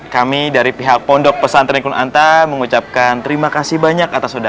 kami dari pihak pondok pesantren kunanta mengucapkan terima kasih banyak atas ustadzah